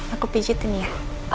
aku pijetin ya